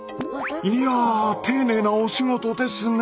いや丁寧なお仕事ですね。